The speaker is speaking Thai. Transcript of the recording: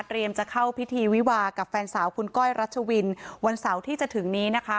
จะเข้าพิธีวิวากับแฟนสาวคุณก้อยรัชวินวันเสาร์ที่จะถึงนี้นะคะ